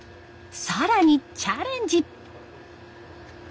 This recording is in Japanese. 更にチャレンジ！